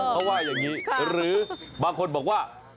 เขาว่าอย่างนี้หรือบางคนบอกว่า